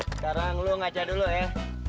sekarang lo ngaca dulu ya